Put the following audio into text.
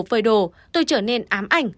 phơi đồ tôi trở nên ám ảnh